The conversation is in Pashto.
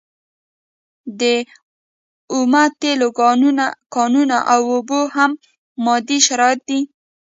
د اومو تیلو کانونه او اوبه هم مادي شرایط دي.